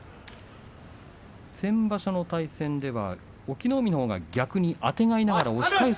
先場所の対戦では、隠岐の海のほうが逆にあてがいながら押し返す